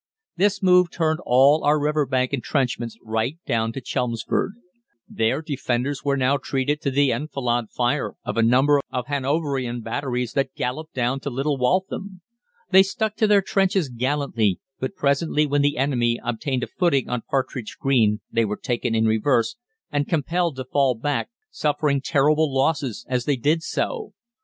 This move turned all our river bank entrenchments right down to Chelmsford. Their defenders were now treated to the enfilade fire of a number of Hanoverian batteries that galloped down to Little Waltham. They stuck to their trenches gallantly, but presently when the enemy obtained a footing on Partridge Green they were taken in reverse, and compelled to fall back, suffering terrible losses as they did so.